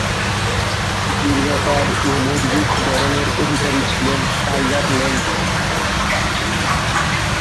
দীর্ঘাকায় ও শক্ত-মজবুত গড়নের অধিকারী ছিলেন টাইগার ল্যান্স।